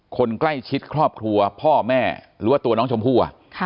คนใกล้ชิดครอบครัวพ่อแม่หรือว่าตัวน้องชมพู่